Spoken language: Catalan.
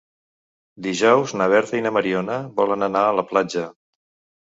Dijous na Berta i na Mariona volen anar a la platja.